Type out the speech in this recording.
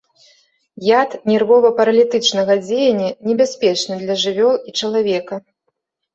Яд нервова-паралітычнага дзеяння, небяспечны для жывёл і чалавека.